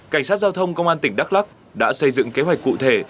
cảnh sát giao thông công an tỉnh đắk lắc đã xây dựng kế hoạch cụ thể